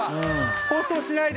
放送しないで。